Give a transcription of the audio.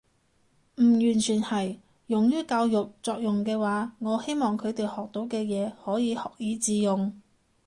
唔完全係。用於教育作用嘅話，我希望佢哋學到嘅嘢可以學以致用